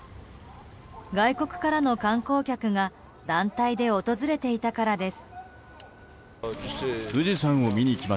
外国からの観光客が団体で訪れていたからです。